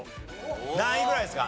何位ぐらいですか？